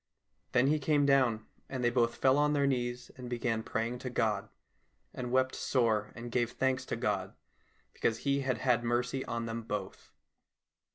Then he came down, and they both fell on their knees and began praying to God, and wept sore and gave thanks to God because He had had mercy on them both.